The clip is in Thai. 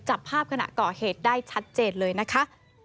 จับภาพขณะก่อเหตุได้ชัดเจนเลยนะคะ